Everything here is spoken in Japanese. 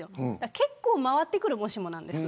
結構回ってくるもしもなんです。